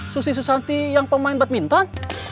susi susanti yang pemain badminton